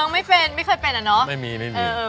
ไม่เป็นไม่เคยเป็นอ่ะเนอะไม่มีไม่มี